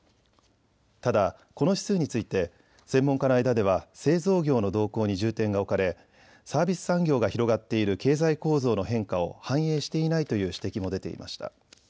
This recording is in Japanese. ただ、この指数について専門家の間では製造業の動向に重点が置かれサービス産業が広がっている経済構造の変化を反映していないという指摘も出ていました。